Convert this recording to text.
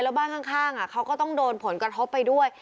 แล้วบ้านข้างเขาก็ต้องโดนผลกระทบไปด้วย